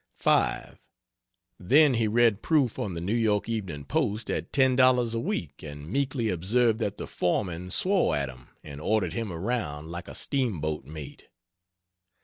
5. Then he read proof on the N. Y. Eve. Post at $10 a week and meekly observed that the foreman swore at him and ordered him around "like a steamboat mate."